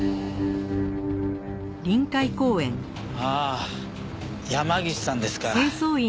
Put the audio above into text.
ああ山岸さんですか。